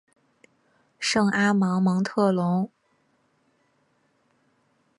圣阿芒蒙特龙。